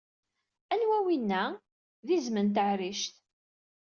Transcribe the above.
Awwah, winna? d izem n taɛrict!